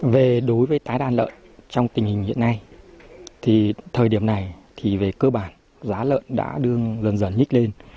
về đối với tái đàn lợn trong tình hình hiện nay thì thời điểm này thì về cơ bản giá lợn đã đương dần dần nhích lên